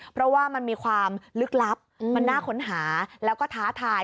เพราะว่ามันมีความลึกลับมันน่าค้นหาแล้วก็ท้าทาย